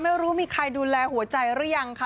ไม่รู้มีใครดูแลหัวใจหรือยังค่ะ